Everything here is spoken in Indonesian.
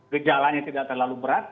gejalanya tidak terlalu berat